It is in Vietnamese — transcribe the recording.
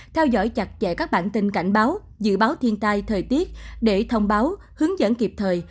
theo dõi chặt chẽ các bản tin cảnh báo dự báo thiên tai thời tiết để thông báo hướng dẫn kịp thời